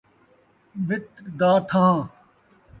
متر دا تھاں